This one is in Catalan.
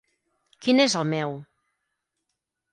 Quin és el meu?